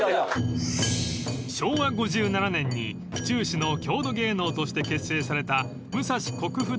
［昭和５７年に府中市の郷土芸能として結成された］